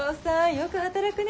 よく働くね。